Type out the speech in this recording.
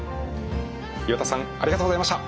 岩田さんありがとうございました。